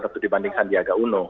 tentu dibandingkan diaga uno